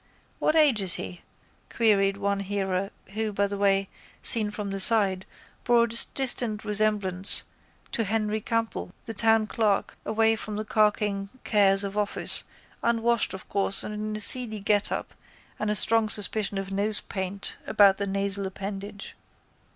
—What age is he? queried one hearer who, by the way, seen from the side, bore a distant resemblance to Henry Campbell, the townclerk, away from the carking cares of office, unwashed of course and in a seedy getup and a strong suspicion of nosepaint about the nasal appendage.